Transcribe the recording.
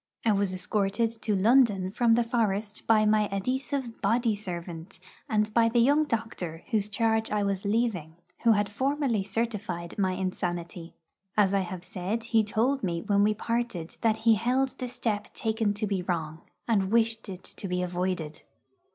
I was escorted to London from the forest by my adhesive body servant, and by the young doctor whose charge I was leaving, who had formally certified my insanity. As I have said, he told me when we parted that he held the step taken to be wrong, and wished it to be avoided.